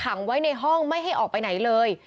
ขังไว้ในห้องไม่ให้ออกไปไหนเลย